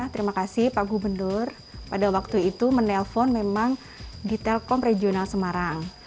terima kasih pak gubernur pada waktu itu menelpon memang di telkom regional semarang